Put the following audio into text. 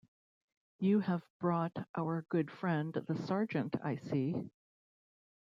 You have brought our good friend the sergeant, I see.